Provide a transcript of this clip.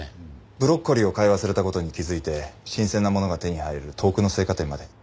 ブロッコリーを買い忘れた事に気づいて新鮮なものが手に入る遠くの青果店まで。